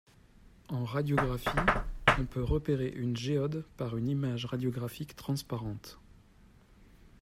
En radiographie, on peut repérer une géode par une image radiographique transparente.